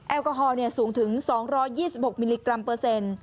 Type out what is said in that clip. แอลกอฮอลสูงถึง๒๒๖มิลลิกรัมเปอร์เซ็นต์